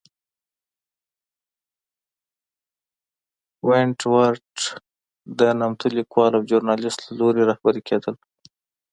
ونټ ورت د نامتو لیکوال او ژورنالېست له لوري رهبري کېدل.